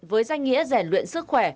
với danh nghĩa giải luyện sức khỏe